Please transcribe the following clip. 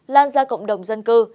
lan ra cộng đồng dân cư